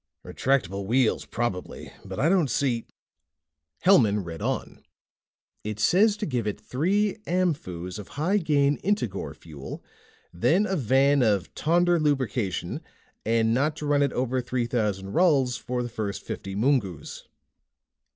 "Retractable wheels, probably, but I don't see " Hellman read on. "It says to give it three amphus of high gain Integor fuel, then a van of Tonder lubrication, and not to run it over three thousand Ruls for the first fifty mungus."